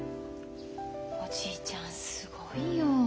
おじいちゃんすごいよ。